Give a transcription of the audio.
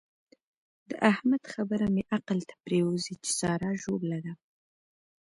د احمد خبره مې عقل ته پرېوزي چې سارا ژوبله ده.